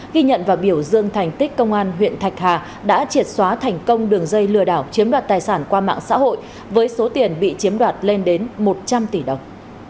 ghi nhận và biểu dương thành tích công an huyện thạch hà đã triệt xóa thành công đường dây lừa đảo chiếm đoạt tài sản qua mạng xã hội với số tiền bị chiếm đoạt lên đến một trăm linh tỷ đồng